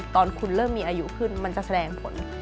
ตอนคุณเริ่มมีอายุขึ้นมันจะแสดงผล